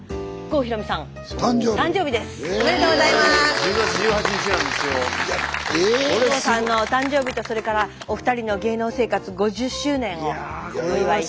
郷さんのお誕生日とそれからお二人の芸能生活５０周年をお祝いして。